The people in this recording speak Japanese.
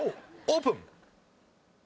オープン。